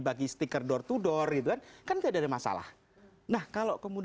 berupa print out percakapan